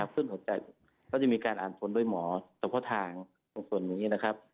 ส่วนหัวใจก็จะมีการอ่านส่วนด้วยหมอสัพพะทางส่วนนี้นะครับ